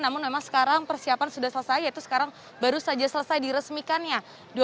namun memang sekarang persiapan sudah selesai yaitu sekarang baru saja selesai diresmikannya